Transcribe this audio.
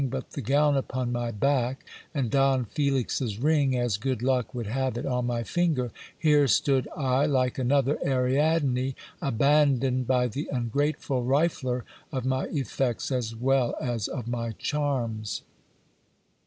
but the gown upon my back, and Don Felix's ring, as good luck would have it, on my finger, here stood I, like another Ariadne, abandoned by the ungrateful rifler of my effects as well as of my charms.